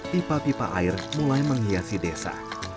pipa pipa air mulai menghiasi desa